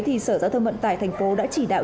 thì sở giao thông vận tải thành phố đã chỉ đạo